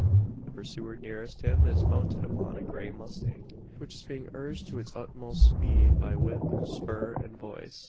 The pursuer nearest him is mounted upon a grey mustang; which is being urged to its utmost speed by whip, spur, and voice.